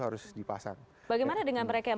harus dipasang bagaimana dengan mereka yang